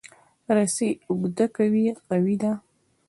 رسۍ اوږده که وي، قوي ده.